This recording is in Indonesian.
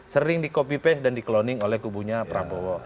sering di copy paste dan di cloning oleh kubunya prabowo